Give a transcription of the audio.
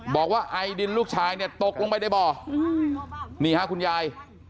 บอกว่าไอดินลูกชายเนี่ยตกลงไปในบ่อนี่ฮะคุณยาย